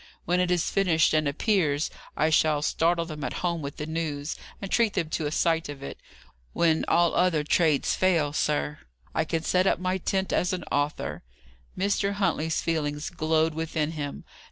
When it is finished and appears, I shall startle them at home with the news, and treat them to a sight of it. When all other trades fail, sir, I can set up my tent as an author." Mr. Huntley's feelings glowed within him.